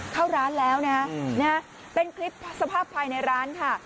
เข้าร้านแล้วนะฮะเป็นคลิปสภาพภายในร้านค่ะ